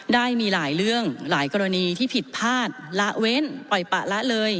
ได้มีหลายเรื่องหลายกรณีที่ผิดพลาดละเว้นปล่อยปะละเลย